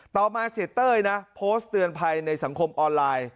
ต่อมาเสียเต้ยนะโพสต์เตือนภัยในสังคมออนไลน์